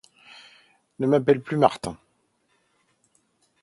Ne m’appelle plus Martin.